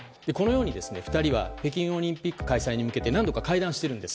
２人は北京オリンピック開催に向けて何度か会談してるんです。